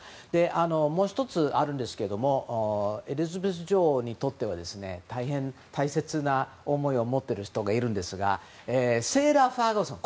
もう１つあるんですがエリザベス女王にとっては大変大切な思いを持っている人がいるんですがセーラ・ファーガソン